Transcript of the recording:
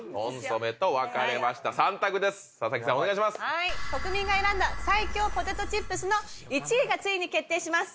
はい国民が選んだ最強ポテトチップスの１位がついに決定します